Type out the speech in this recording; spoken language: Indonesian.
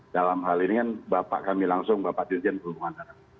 dalam hal ini kan bapak kami langsung bapak dirjen perhubungan darat